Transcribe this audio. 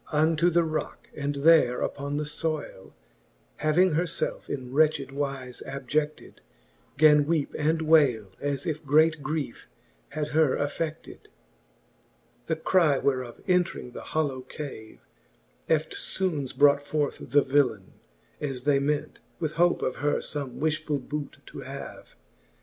Unto the rocke, and there upon the fbyle Having her felfe in wretched wize abjecied, Gan weepe and wayle, as if great griefe had her afFeded. X. The cry whereof entring the hollow cave, Eftfoones brought forth the villaine, as they ment, With hope of her fome wifhfull boote to have.